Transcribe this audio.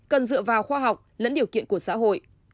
cần dựa vào khoa học lẫn điều kiện của xã hội